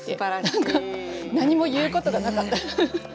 何か何も言うことがなかった。